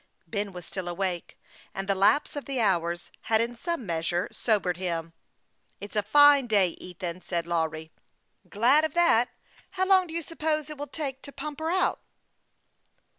Ben was still awake, and the lapse of the hours had in some measure sobered him. " It's a fine day, Ethan," said Lawry, as he glanced out at the window. " Glad of that. How long do you suppose it will take us to pump her out